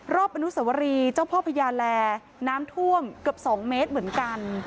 อนุสวรีเจ้าพ่อพญาแลน้ำท่วมเกือบ๒เมตรเหมือนกัน